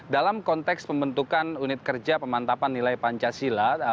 dalam konteks pembentukan unit kerja pemantapan nilai pancasila